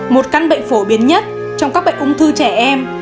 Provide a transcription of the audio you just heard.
một căn bệnh phổ biến nhất trong các bệnh ung thư trẻ em